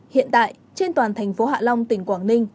hiện tại trên toàn thành phố hạ long tỉnh quảng ninh